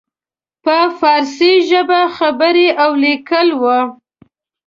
په فارسي ژبه خبرې او لیکل وو.